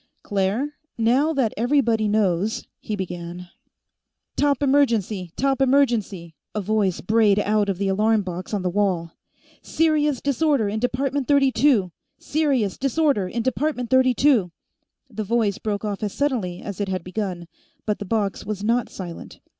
"Claire, now that everybody knows " he began. "Top emergency! Top emergency!" a voice brayed out of the alarm box on the wall. "Serious disorder in Department Thirty two! Serious disorder in Department Thirty two!" The voice broke off as suddenly as it had begun, but the box was not silent.